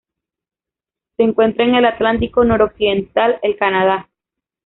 Se encuentra en el Atlántico noroccidental: el Canadá.